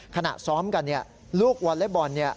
ขณะซ้อมกันลูกวอลเล็ตบอล